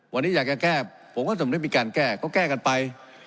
วันนี้อยากจะแก้ผมก็สำนึกมีการแก้ก็แก้กันไป